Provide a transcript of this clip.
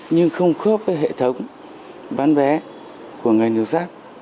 nhưng không khớp với hệ thống bán vé của ngành nội sát